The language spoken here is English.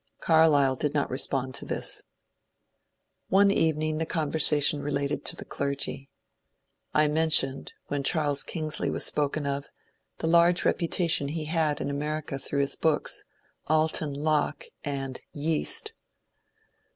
Carlyle did not respond to this. One evening the con versation related to the clergy. I mentioned, when Charles Kingsley was spoken of, the large reputation he had in Amer ica through his books, ^^ Alton Locke " and ^ Yeast."